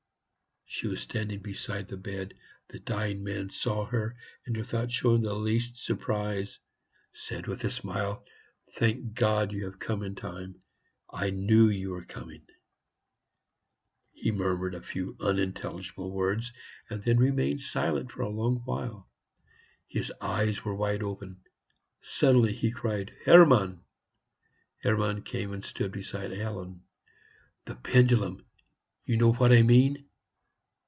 She was standing beside the bed. The dying man saw her, and without showing the least surprise, said with a smile, "Thank God! you have come in time. I knew you were coming." He murmured a few unintelligible words, and then remained silent for a long while. His eyes were wide open. Suddenly he cried, "Hermann!" Hermann came and stood beside Ellen. "The pendulum...You know what I mean?"